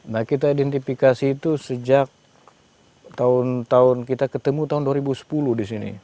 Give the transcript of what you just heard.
nah kita identifikasi itu sejak tahun tahun kita ketemu tahun dua ribu sepuluh di sini